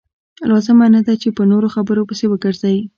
لازمه نه ده چې په نورو خبرو پسې وګرځئ.